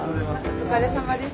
お疲れさまです。